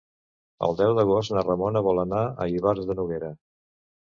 El deu d'agost na Ramona vol anar a Ivars de Noguera.